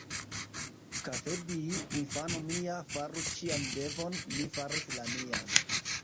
Kafedji, infano mia, faru cian devon: mi faris la mian.